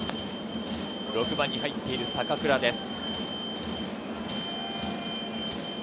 ６番に入っている坂倉です。